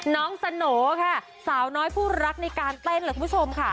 น้องสโหน่ค่ะสาวน้อยผู้รักในการเต้นล่ะคุณผู้ชมค่ะ